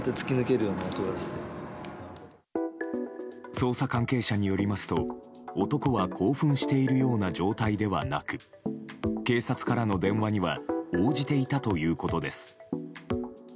捜査関係者によりますと、男は興奮しているような状態ではなく警察からの電話には応じていたということです。